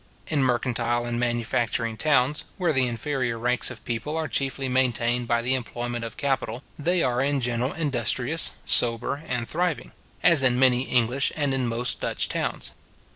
In mercantile and manufacturing towns, where the inferior ranks of people are chiefly maintained by the employment of capital, they are in general industrious, sober, and thriving; as in many English, and in most Dutch towns.